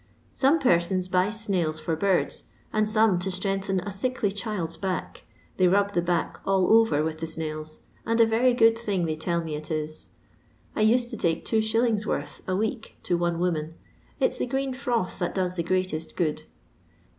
Some persons buys snails for birds, and some to strengthen a sickly child's back; they rub the back all orer with the snails, and a very good thing they tell me it is. I used to take 2«.'s worth a week to one woman ; it 's the green frt>th that does the greatest good.